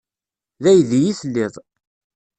D aydi i telliḍ.